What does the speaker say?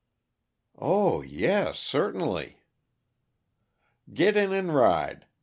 "Oh, yes, certainly." "Get in and ride.